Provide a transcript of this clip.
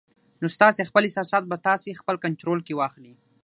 نو ستاسې خپل احساسات به تاسې خپل کنټرول کې واخلي